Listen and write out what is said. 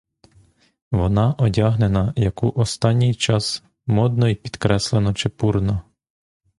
Вона одягнена, як у останній час, модно й підкреслено чепурно.